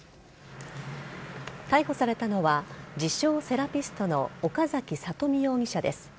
逮捕されたのは自称・セラピストの岡崎里美容疑者です。